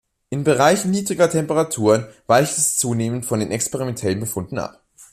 In Bereichen niedriger Temperaturen weicht es zunehmend von den experimentellen Befunden ab.